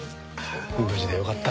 無事でよかった。